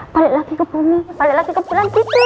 balik lagi ke bumi balik lagi ke bulan putri